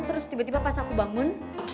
terus tiba tiba pas aku bangun